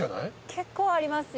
結構ありますよ。